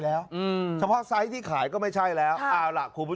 มั่นใจว่าน่าจะโดนอิสเกรดิต